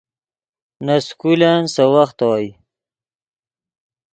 نے سکولن سے وخت اوئے